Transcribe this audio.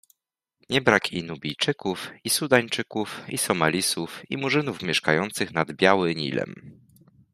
Nie brak i Nubijczyków, i Sudańczyków, i Somalisów, i Murzynów mieszkających nad Biały Nilem.